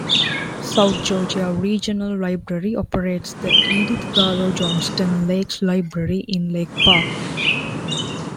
South Georgia Regional Library operates the Edith Garlow Johnston Lakes Library in Lake Park.